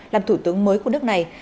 làm thủ tướng mới của nước này